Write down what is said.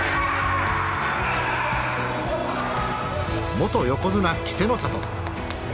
元横綱稀勢の里。